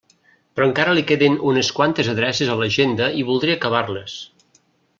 Però encara li queden unes quantes adreces a l'agenda i voldria acabar-les.